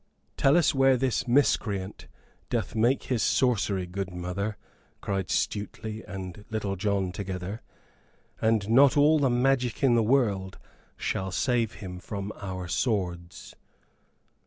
"Tell us where this miscreant doth make his sorcery, good mother," cried Stuteley and Little John together, "and not all the magic in the world shall save him from our swords!"